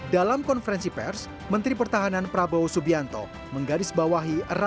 dalam konferensi pers menteri pertahanan prabowo subianto menggaris bawahi eratnya hubungan kerja